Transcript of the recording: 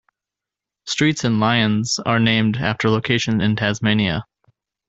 Streets in Lyons are named after locations in Tasmania.